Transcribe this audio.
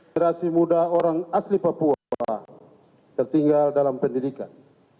generasi muda orang asli papua tertinggal dalam pendidikan